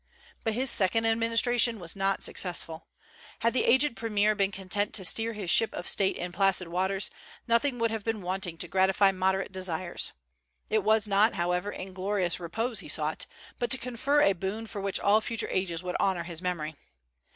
But his second administration was not successful. Had the aged premier been content to steer his ship of State in placid waters, nothing would have been wanting to gratify moderate desires. It was not, however, inglorious repose he sought, but to confer a boon for which all future ages would honor his memory.